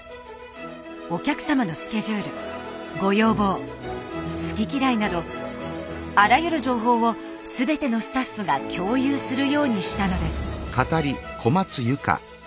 お客様のスケジュールご要望好き嫌いなどあらゆる情報を全てのスタッフが共有するようにしたのです。